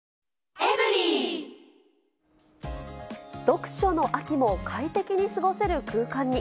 読書の秋も快適に過ごせる空間に。